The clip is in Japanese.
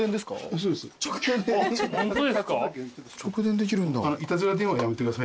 直電できるんだ。